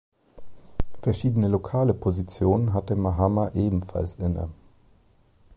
Verschiedene lokale Positionen hatte Mahama ebenfalls inne.